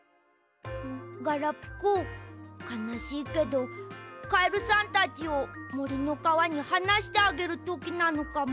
ガラピコかなしいけどカエルさんたちをもりのかわにはなしてあげるときなのかも。